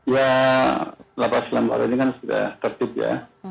ya lapas lembaran ini kan sudah tertib ya